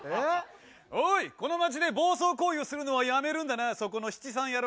おいこの町で暴走行為をするのはやめるんだなそこの七三野郎。